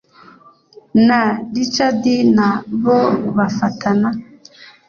na richard na bo bafatana